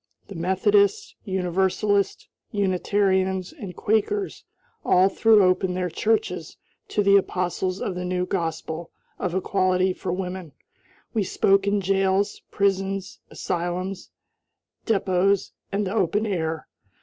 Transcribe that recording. The Methodists, Universalists, Unitarians, and Quakers all threw open their churches to the apostles of the new gospel of equality for women. We spoke in jails, prisons, asylums, depots, and the open air.